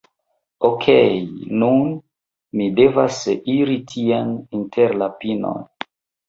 Okej, nun, mi devas iri tien, inter la pinoj.